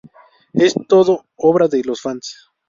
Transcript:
Es todo obra de los fans.